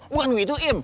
bukan begitu im